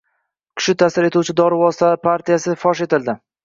Kuchli ta’sir qiluvchi dori vositalari partiyasi fosh etilding